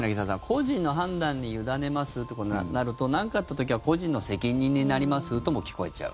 個人の判断に委ねますとなるとなんかあった時は個人の責任になりますとも聞こえちゃう。